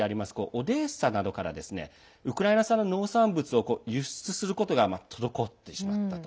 オデーサなどからウクライナ産の農産物を輸出することが滞ってしまったと。